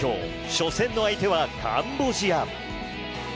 初戦の相手はカンボジア。